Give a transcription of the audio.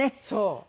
そう。